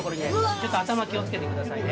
ちょっと頭気をつけてくださいね。